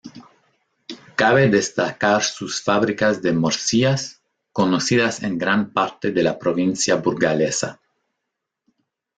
Cabe destacar sus fábricas de morcillas, conocidas en gran parte de la provincia burgalesa.